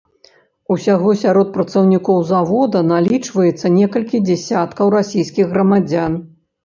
Усяго сярод працаўнікоў завода налічваецца некалькі дзесяткаў расійскіх грамадзян.